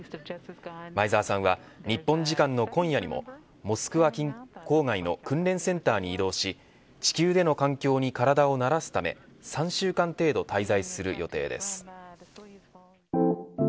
前澤さんは、日本時間の今夜にもモスクワ郊外の訓練センターに移動し地球での環境に体を慣らすため３週間程度滞在する予定です。